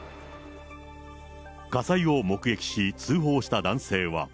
火災を目撃し、通報した男性は。